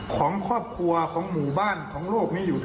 ของครอบครัวของหมู่บ้านของโลกนี้อยู่